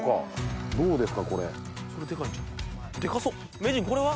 名人これは？